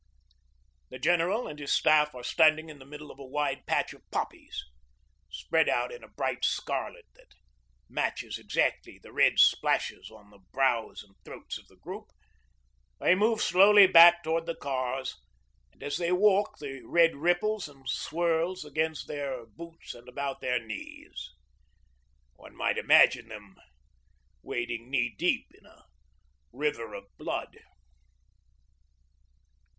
The General and his Staff are standing in the middle of a wide patch of poppies, spread out in a bright scarlet that matches exactly the red splashes on the brows and throats of the group. They move slowly back towards the cars, and as they walk the red ripples and swirls against their boots and about their knees. One might imagine them wading knee deep in a river of blood.